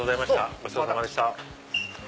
ごちそうさまでした。